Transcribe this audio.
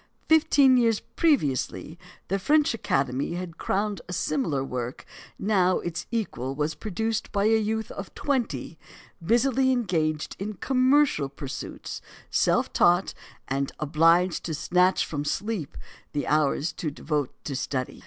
Fifteen years previously, the French Academy had crowned a similar work; now its equal was produced by a youth of twenty, busily engaged in commercial pursuits, self taught, and obliged to snatch from sleep the hours devoted to study.